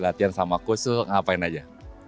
latihan sama kusuk ngapain aja